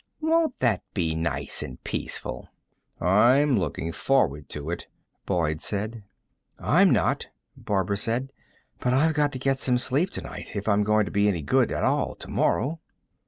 Won't that be nice and peaceful?" "I'm looking forward to it," Boyd said. "I'm not," Barbara said. "But I've got to get some sleep tonight, if I'm going to be any good at all tomorrow."